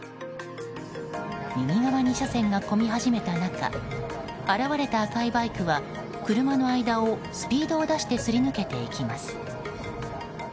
右側２車線が混み合い始めた中現れた赤いバイクは車の間をスピードを出してすり抜けていきます。